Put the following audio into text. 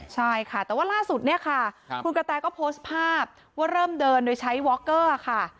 ใช่ค่ะแต่ว่าล่าสุดเนี่ยค่ะคุณกระแตก็โพสต์ภาพว่าเริ่มเดินโดยใช้วอคเกอร์ค่ะ